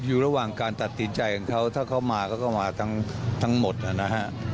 อยู่ระหว่างการตัดสินใจของเขาถ้าเขามาเขาก็มาทั้งหมดนะฮะ